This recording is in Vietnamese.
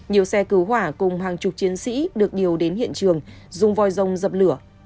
nhiều xe cứu hỏa cùng hàng chục chiến sĩ được điều đến hiện trường dùng voi rông dập lửa